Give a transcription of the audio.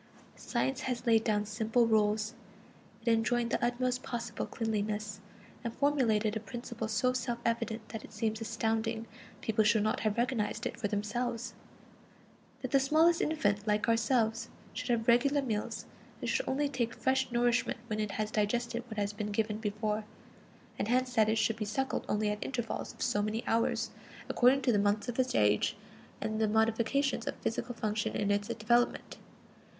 Science laid down simple rules; it enjoined the utmost possible cleanliness, and formulated a principle so self evident that it seems astounding people should not have recognized it for themselves: that the smallest infant, like ourselves, should have regular meals, and should only take fresh nourishment when it has digested what has been given before; and hence that it should be suckled only at intervals of so many hours, according to the months of its age and the modifications of physical function in its development.